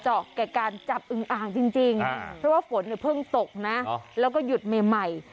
แก่การจับอึงอ่างจริงเพราะว่าฝนเนี่ยเพิ่งตกนะแล้วก็หยุดใหม่